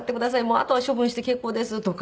あとは処分して結構です」とか。